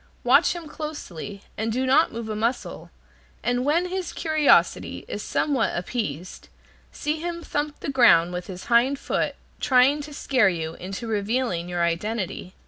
Watch him closely, and do not move a muscle, and when his curiosity is somewhat appeased, see him thump the ground with his hind foot, trying to scare you into revealing your identity.